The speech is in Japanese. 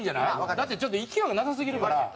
だってちょっと勢いがなさすぎるから。